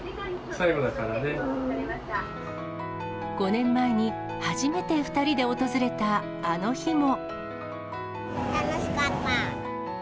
５年前に初めて２人で訪れた楽しかった。